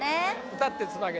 歌ってつなげ！